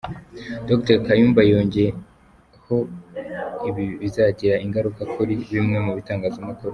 Dr Kayumba yongeho ibi bizagira ingaruka kuri bimwe mu bitangazamakuru.